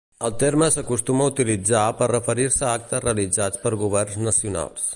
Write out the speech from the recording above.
El terme s'acostuma a utilitzar per referir-se a actes realitzats per governs nacionals.